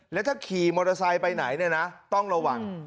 แล้วถ้าขี่มอเตอร์ไซค์ไปไหนเนี่ยนะต้องระวัง